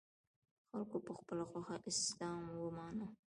خلکو په خپله خوښه اسلام ومانه